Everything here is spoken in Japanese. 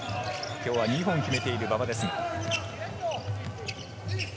今日は２本決めている馬場です。